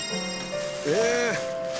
ええ！